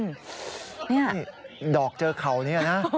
นี่ดอกเจอเข่าเนี่ยนะ